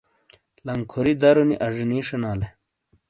لنکھوری درونی اجینی شینالے۔